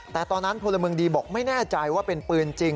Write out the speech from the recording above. แต่ตอนนั้นพลเมืองดีบอกไม่แน่ใจว่าเป็นปืนจริง